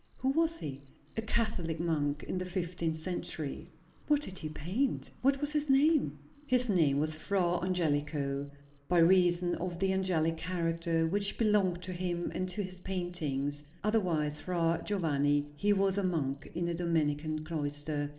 "Who was he?" "A Catholic monk, in the fifteenth century." "What did he paint? What was his name?" "His name was Fra Angelico by reason of the angelic character which belonged to him and to his paintings; otherwise Fra Giovanni; he was a monk in a Dominican cloister.